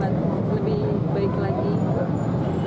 dan kami berduka cita